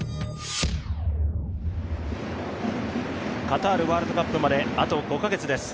カタールワールドカップまであと５カ月です。